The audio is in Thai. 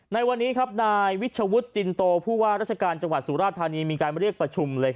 ในวันนี้นายวิชวุตจินโตผู้ว่ารัชการจังหวัดสุราษฎร์ทานีมีการมาเรียกประชุม